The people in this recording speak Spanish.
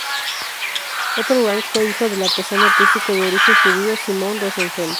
Otto Rank fue hijo del artesano artístico de origen judío Simon Rosenfeld.